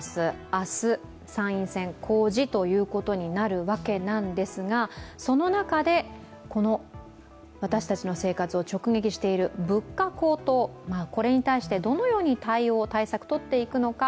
明日、参院選、公示ということになるわけなんですがその中で、この私たちの生活を直撃している物価高騰、これに対してどのように対応・対策をとっていくのか。